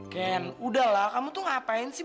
ken udahlah kamu tuh ngapain sih